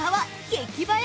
激映え！